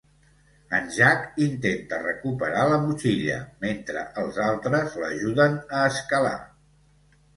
En Jack intenta recuperar la motxilla, mentre els altres l'ajuden a escalar.